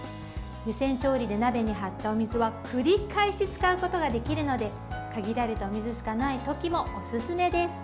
湯煎調理で鍋に張ったお水は繰り返し使うことができるので限られたお水しかない時もおすすめです。